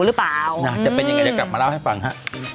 หรือเปล่านะจะเป็นยังไงเดี๋ยวกลับมาเล่าให้ฟังฮะ